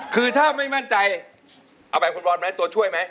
คือถ้าไม่มั่นใจเอาแบบคุณบอลไหมตัวช่วยไหม